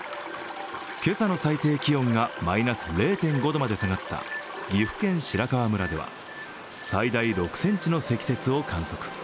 今朝の最低気温がマイナス０．５度まで下がった岐阜県白川村では最大６ｃｍの積雪を観測。